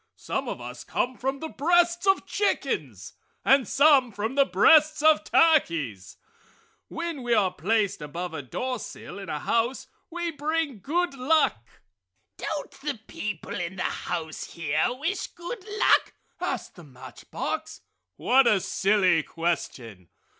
Some of us come from the breasts of chickens and some from the breasts of turkeys. When we are placed above a doorsill in a house, we bring good luck!" "Don't the people in the house here wish good luck?" asked the match box. "What a silly question!"